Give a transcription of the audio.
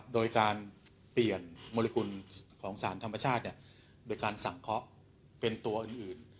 โดยการเปลี่ยนมอริคุณธรรมชาติเนี่ยโดยการศังเคาะเป็นตัวอื่น